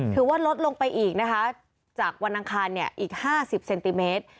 ลดลงไปอีกนะคะจากวันอังคารอีก๕๐เซนติเมตร